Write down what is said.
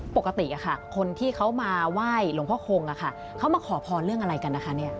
ปกติคนที่เขามาไหว้หลวงพ่อคงเขามาขอพรเรื่องอะไรกันนะคะ